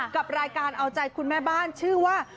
กับรายการเอาใจคุณแม่บ้านชื่อว่า